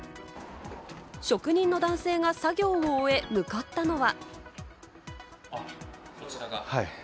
職人の男性が作業を終え、向かったのは。